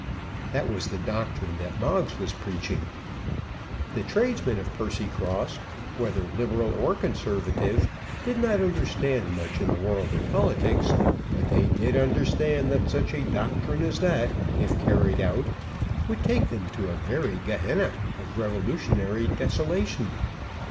That was the doctrine that Moggs was preaching. The tradesmen of Percycross, whether liberal or conservative, did not understand much in the world of politics, but they did understand that such a doctrine as that, if carried out, would take them to a very Gehenna of revolutionary desolation.